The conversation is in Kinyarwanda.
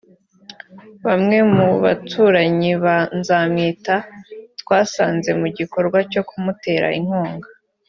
Bamwe mu baturanyi ba Nzabamwita twasanze mu gikorwa cyo kumutera inkunga